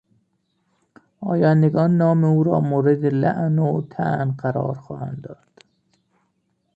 آیندگان نام او را مورد لعن و طعن قرار خواهند داد.